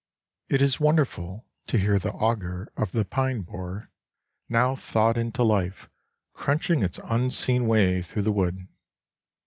It is wonderful to hear the auger of the pine borer, now thawed into life, crunching its unseen way through the wood.